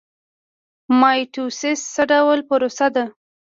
مایټوسیس څه ډول پروسه ده؟